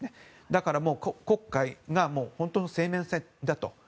だから、黒海が本当の生命線だと。